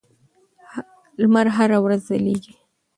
لمر هره ورځ ځلېږي.